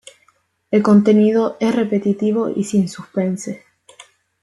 El contenido es repetitivo y sin suspense.